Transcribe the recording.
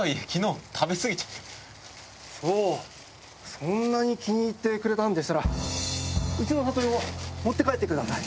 そんなに気に入ってくれたんでしたらうちの里芋持って帰ってください。